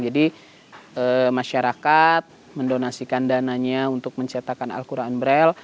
jadi masyarakat mendonasikan dananya untuk mencetakkan al quran brele